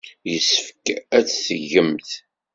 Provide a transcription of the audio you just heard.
Yessefk ad t-tgemt.